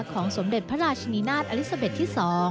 ของสมเด็จพระราชนีนาธอลิสาเบตที่๒